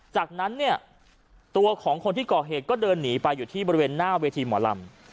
จากนั้นเนี่ยตัวของคนที่ก่อเหตุก็เดินหนีไปอยู่ที่บริเวณหน้าเวทีหมอลำ